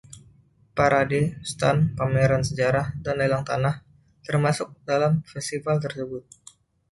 Parade, stan, pameran sejarah, dan lelang tanah termasuk dalam festival tersebut.